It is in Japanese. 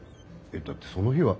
えっだってその日は。